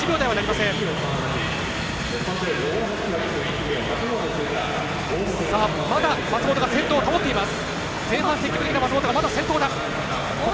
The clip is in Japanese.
まだ松本が先頭を保っています。